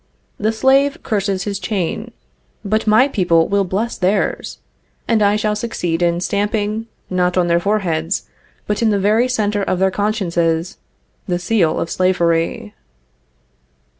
The slave curses his chain, but my people will bless theirs, and I shall succeed in stamping, not on their foreheads, but in the very centre of their consciences, the seal of slavery.